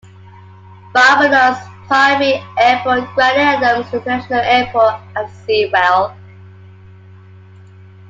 Barbados's primary airport, Grantley Adams International Airport, at Seawell.